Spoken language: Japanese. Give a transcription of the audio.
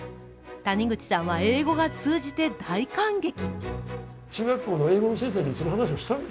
谷口さんは英語が通じて大感激。